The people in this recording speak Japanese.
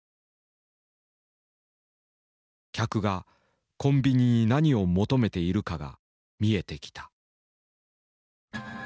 客がコンビニに何を求めているかが見えてきた。